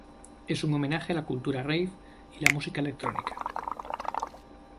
Es un homenaje a la cultura "rave" y la música electrónica.